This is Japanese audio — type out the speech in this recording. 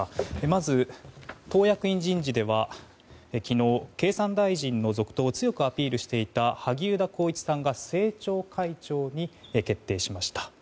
まず党役員人事では昨日、経産大臣の続投を強くアピールしていた萩生田光一さんが政調会長に決定しました。